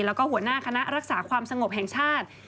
แล้วก็หัวหน้าคณะรักษาความสงบแห่งชาติ